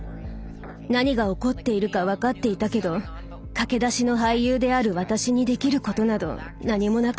何が起こっているか分かっていたけど駆け出しの俳優である私にできることなど何もなかったわ。